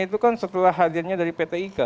itu kan setelah hadirnya dari pt ika